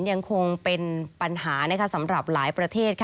ยังคงเป็นปัญหาสำหรับหลายประเทศ